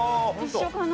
一緒かな？